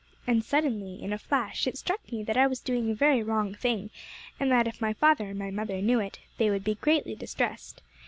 And suddenly in a flash, it struck me that I was doing a very wrong thing, and that, if my father and my mother knew it, they would be greatly distressed.